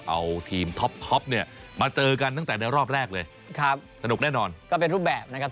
เอาทีมท็อปท็อปเนี่ยมาเจอกันตั้งแต่ในรอบแรกเลยครับสนุกแน่นอนก็เป็นรูปแบบนะครับ